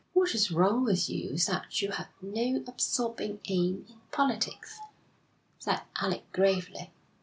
'What is wrong with you is that you have no absorbing aim in politics,' said Alec gravely.